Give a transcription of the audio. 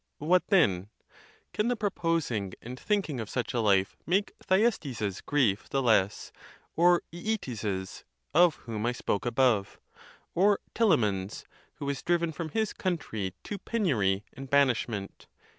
What, then? Can the proposing and thinking of such a life make Thy _estes's grief the less, or Aletes's, of whom I spoke above, or Telamon's, who was driven from his country to penury and banishment?